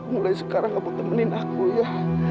mulai sekarang kamu teman aku ya